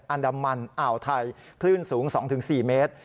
อันดามันอ่าวไทยคลื่นสูง๒๔เมตร